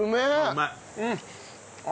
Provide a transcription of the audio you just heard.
うまい！